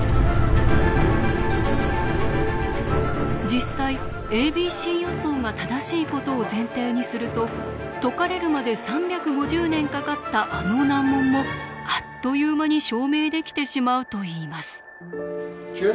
実際ａｂｃ予想が正しいことを前提にすると解かれるまで３５０年かかったあの難問もあっという間に証明できてしまうといいます。